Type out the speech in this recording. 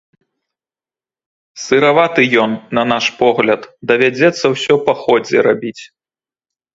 Сыраваты ён, на наш погляд, давядзецца ўсё па ходзе рабіць.